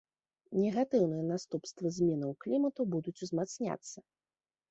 Негатыўныя наступствы зменаў клімату будуць узмацняцца.